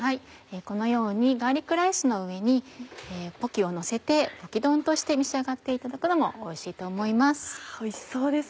このようにガーリックライスの上にポキをのせてポキ丼として召し上がっていただくのもおいしいと思います。